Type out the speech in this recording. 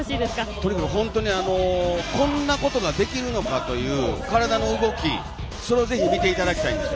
とにかく本当にこんなことができるのかという体の動き、それをぜひ見ていただきたいんですよ。